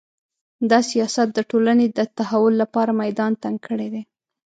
دا سیاست د ټولنې د تحول لپاره میدان تنګ کړی دی